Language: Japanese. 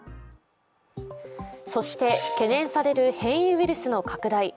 そして懸念される変異ウイルスの拡大。